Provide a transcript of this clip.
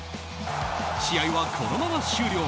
試合は、このまま終了。